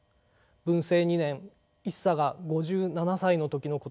文政２年一茶が５７歳の時のことです。